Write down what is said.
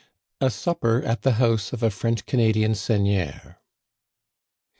A SUPPER AT THE HOUSE OF A FRENCH CANADIAN SEIGNEUR.